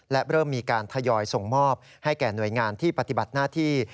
และเริ่มมีการทยอยส่งมอบให้แก่หน่วยงานที่ปฏิบัติหน้าที่